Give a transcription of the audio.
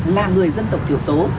là người dân tộc thiểu số